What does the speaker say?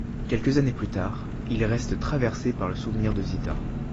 Quelques années plus tard, il reste traversé par le souvenir de Zita.